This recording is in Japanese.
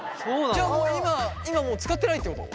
じゃあ今もう使ってないってこと？